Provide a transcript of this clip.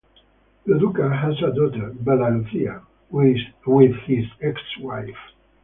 Lo Duca has a daughter, Bella Lucia, with his ex-wife.